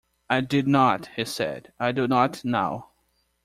"I did not," he said, "I do not now".